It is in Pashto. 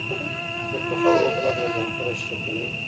زه په خپله دوه ځله ډاکټر اشرف غني.